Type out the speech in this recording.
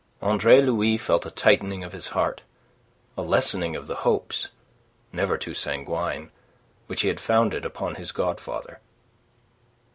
Andre Louis felt a tightening of his heart, a lessening of the hopes, never too sanguine, which he had founded upon his godfather.